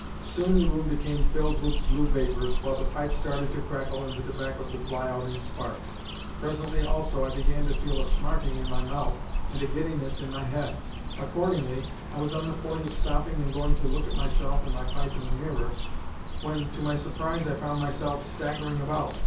Soon the room became filled with blue vapours, while the pipe started to crackle and the tobacco to fly out in sparks. Presently, also, I began to feel a smarting in my mouth and a giddiness in my head. Accordingly, I was on the point of stopping and going to look at myself and my pipe in the mirror, when, to my surprise, I found myself staggering about.